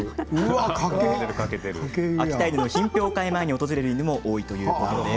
秋田犬の品評会の前に訪れる犬も多いということです。